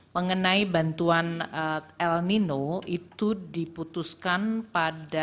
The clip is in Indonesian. mengenai bantuan el nino itu diputuskan pada